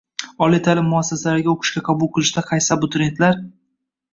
Oliy ta’lim muassasalariga o‘qishga qabul qilishda qaysi abituriyentlar